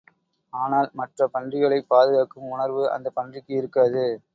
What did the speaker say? ஆனால் மற்றப் பன்றிகளைப் பாதுகாக்கும் உணர்வு அந்தப் பன்றிக்கு இருக்காது.